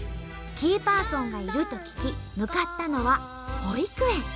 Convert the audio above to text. キーパーソンがいると聞き向かったのは保育園。